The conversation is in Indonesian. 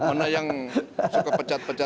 mana yang suka pecat pecat